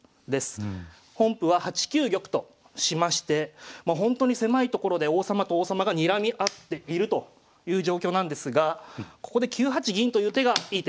本譜は８九玉としましてほんとに狭い所で王様と王様がにらみ合っているという状況なんですがここで９八銀という手がいい手でしたね。